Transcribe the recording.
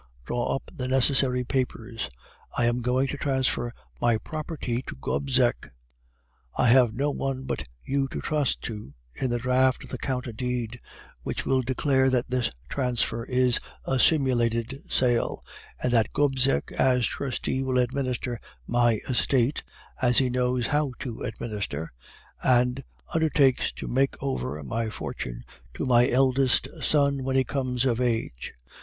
'Draw up the necessary papers; I am going to transfer my property to Gobseck. I have no one but you to trust to in the draft of the counter deed, which will declare that this transfer is a simulated sale, and that Gobseck as trustee will administer my estate (as he knows how to administer), and undertakes to make over my fortune to my eldest son when he comes of age.